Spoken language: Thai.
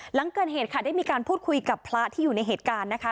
หลังเกิดเหตุค่ะได้มีการพูดคุยกับพระที่อยู่ในเหตุการณ์นะคะ